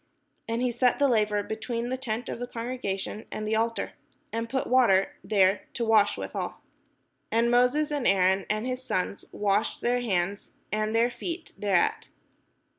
And he set the laver between the tent of the congregation and the altar, and put water there, to wash withal. And Moses and Aaron and his sons washed their hands and their feet thereat.